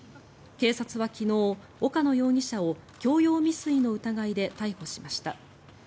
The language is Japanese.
警察は昨日、岡野容疑者を強要未遂の疑いで逮捕しました。